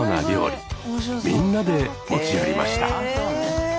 みんなで持ち寄りました。